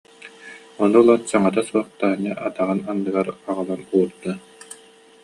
Ону ылан саҥата суох Таня атаҕын анныгар аҕалан уурда